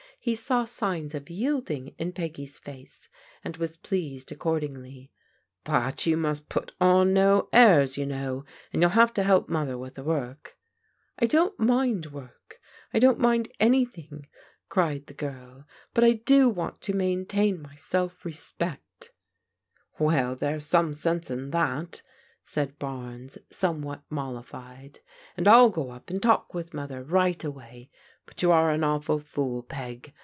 He saw signs of yielding in Peggy's face, and was pleased accordingly. " But you must put on no airs, you know, and youll have to help Mother with the work." " I don't mind work. I don't mind an)rthing," cried the girl, " but I do want to ttiaintaiu my self respect" THE HOME OP THE BAENES 299 " Well, there's some sense in that," said Barnes some what mollified, " and I'll go up and talk with Mother right away. But you are an awful fool. Peg.